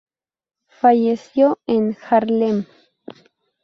Falleció en Haarlem.